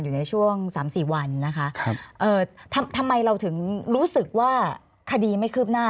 อยู่ในช่วงสามสี่วันนะคะทำไมเราถึงรู้สึกว่าคดีไม่คืบหน้า